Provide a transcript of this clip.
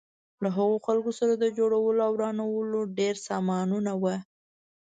له هغو خلکو سره د جوړولو او ورانولو ډېر سامانونه وو.